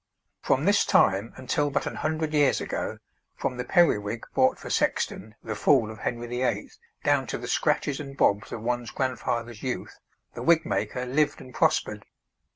From this time until but an hundred years ago, from the periwig bought for Sexton, the fool of Henry VIII., down to the scratches and bobs of one's grandfather's youth, the wigmaker lived and prospered.